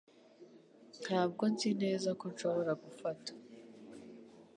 Ntabwo nzi neza ko nshobora gufata .